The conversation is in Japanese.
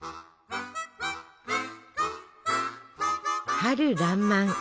春らんまん。